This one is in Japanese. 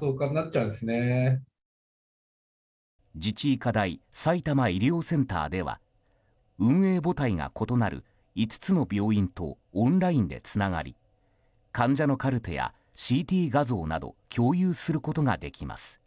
自治医科大さいたま医療センターでは運営母体が異なる５つの病院とオンラインでつながり患者のカルテやＣＴ画像など共有することができます。